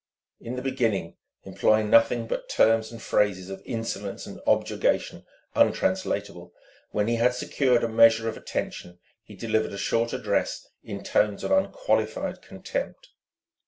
In the beginning employing nothing but terms and phrases of insolence and objurgation untranslatable, when he had secured a measure of attention he delivered a short address in tones of unqualified contempt.